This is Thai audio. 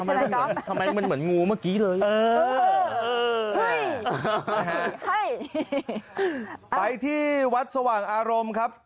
ใช่ไหมก๊อบทำไมมันเหมือนงูเมื่อกี้เลยเออเออเออเฮ้ยให้ไปที่วัดสว่างอารมณ์ครับ